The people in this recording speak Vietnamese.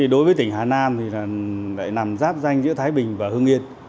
đối với tỉnh hà nam nằm giáp danh giữa thái bình và hương yên